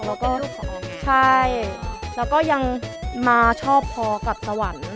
แล้วก็ลูกของใช่แล้วก็ยังมาชอบพอกับสวรรค์